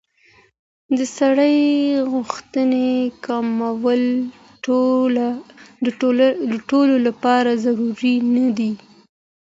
د سرې غوښې کمول ټولو لپاره ضروري نه دي.